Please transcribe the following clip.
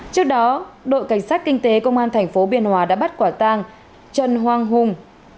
trước đó đội cảnh sát kinh tế công an tp biên hòa đã bắt quả tang trần hoàng hùng